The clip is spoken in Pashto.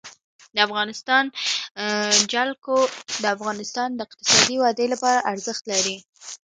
د افغانستان جلکو د افغانستان د اقتصادي ودې لپاره ارزښت لري.